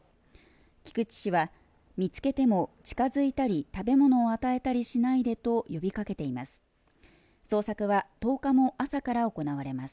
菊池市は、見つけても近づいたり食べ物を与えたりしないでと呼びかけています。